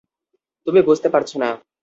তুমি বুঝতে পারছ না।